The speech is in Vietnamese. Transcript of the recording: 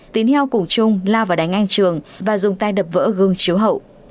tín heo cùng chung lao vào đánh anh trường và dùng tay đập vỡ gương chiếu hậu